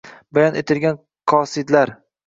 Bayon etgan qosidlar.